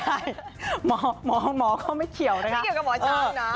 อันนั้นออกไม่ได้หมอก็ไม่เขียวนะคะไม่เกี่ยวกับหมอช้างนะ